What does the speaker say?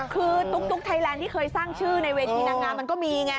คือตุ๊กไทยแลนด์ที่เคยสร้างชื่อในเวทีนางงามมันก็มีไง